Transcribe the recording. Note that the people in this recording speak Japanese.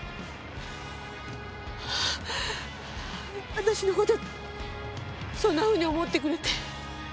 私の事そんなふうに思ってくれて。